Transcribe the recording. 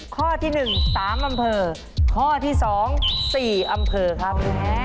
ข้อที่๑๓อำเภอข้อที่๒๔อำเภอครับ